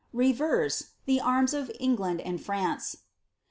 Reverse — the arms of England and France.